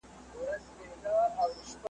ګړی وروسته نه بادونه نه باران وو .